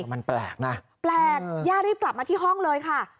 มันแปลกนะแปลกย่ารีบกลับมาที่ห้องเลยค่ะ